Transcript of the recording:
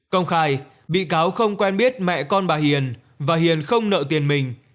công khai bị cáo không quen biết mẹ con bà hiền và hiền không nợ tiền mình